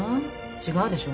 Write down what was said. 違うでしょ？